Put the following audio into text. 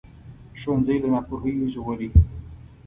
ښوونځی له ناپوهۍ وژغوري